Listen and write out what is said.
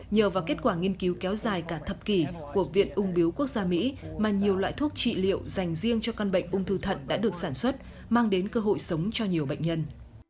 nhờ vào kết quả nghiên cứu kéo dài cả thập kỷ của viện ung biếu quốc gia mỹ mà nhiều loại thuốc trị liệu dành riêng cho căn bệnh ung thư thận đã được sản xuất mang đến cơ hội sống cho nhiều bệnh nhân